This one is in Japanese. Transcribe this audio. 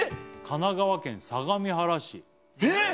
神奈川県相模原市えっ！